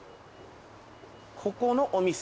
ここのお店？